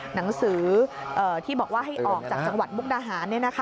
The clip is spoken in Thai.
หนังสือที่บอกว่าให้ออกจากจังหวัดมุกดาหาร